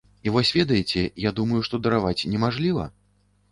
І вось ведаеце, я думаю, што дараваць немажліва?